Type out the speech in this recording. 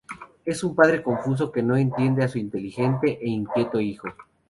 Es un padre confuso que no entiende a su inteligente e inquieto hijo.